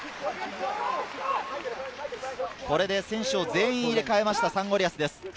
これで選手を全員入れ替えましたサンゴリアスです。